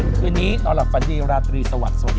วันนี้ตอนลับปัจจีราตรีสวัสดีครับ